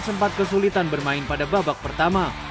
sempat kesulitan bermain pada babak pertama